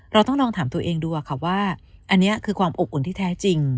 เราต้องลองถามตัวเองดูค่ะว่าอันนี้คือความอบอุ่นที่แท้จริง